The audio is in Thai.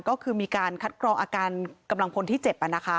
ก็คือมีการคัดกรองอาการกำลังพลที่เจ็บ